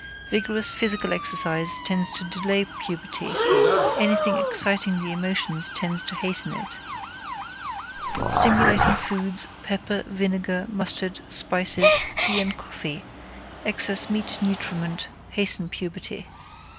Vigorous physical exercise tends to delay puberty, anything exciting the emotions tends to hasten it. Stimulating foods, pepper, vinegar, mustard, spices, tea and coffee, excess meat nutriment hasten puberty.